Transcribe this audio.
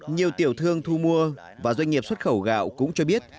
nhiều tiểu thương thu mua và doanh nghiệp xuất khẩu gạo cũng cho biết